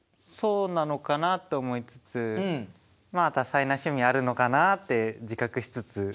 そうなのかなと思いつつまあ多彩な趣味あるのかなって自覚しつつ。